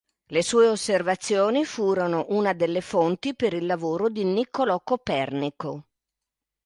Le sue osservazioni furono una delle fonti per il lavoro di Niccolò Copernico.